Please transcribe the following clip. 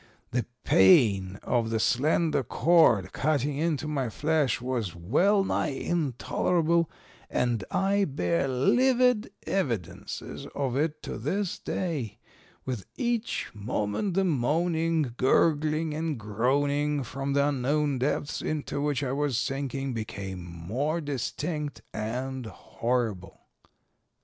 The pain of the slender cord cutting into my flesh was well nigh intolerable, and I bear livid evidences of it to this day; with each moment the moaning, gurgling, and groaning from the unknown depths into which I was sinking became more distinct and horrible.